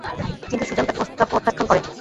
কিন্তু সুজান তার প্রস্তাব প্রত্যাখ্যান করে।